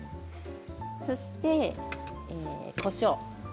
そしてこしょう。